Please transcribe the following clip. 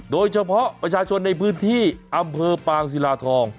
โดยเฉพาะประชาชนในพื้นที่อำเภอปางศิลาทอง